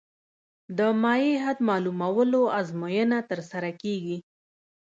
د مایع حد معلومولو ازموینه ترسره کیږي